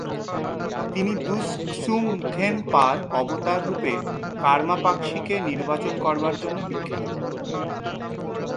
তিনি দুস-গ্সুম-ম্খ্যেন-পার অবতাররূপে কার্মা-পাক্শিকে নির্বাচন করার জন্য বিখ্যাত।